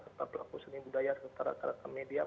serta pelaku seni dan budaya secara terkata media